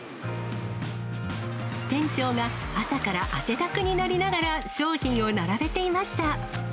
店長が朝から汗だくになりながら、商品を並べていました。